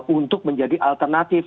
untuk menjadi alternatif